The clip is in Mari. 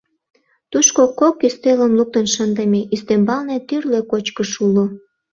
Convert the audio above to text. Тушко кок ӱстелым луктын шындыме, ӱстембалне тӱрлӧ кочкыш уло.